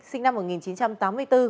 sinh năm một nghìn chín trăm tám mươi ba